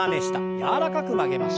柔らかく曲げましょう。